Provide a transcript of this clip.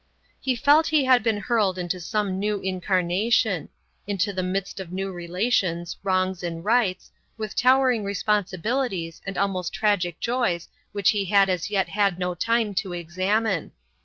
He felt he had been hurled into some new incarnation: into the midst of new relations, wrongs and rights, with towering responsibilities and almost tragic joys which he had as yet had no time to examine.